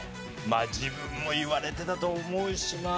まあ自分も言われてたと思うしな。